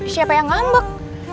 siapa yang ngambek